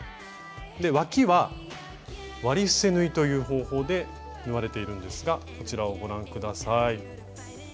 わきは「割り伏せ縫い」という方法で縫われているんですがこちらをご覧下さい。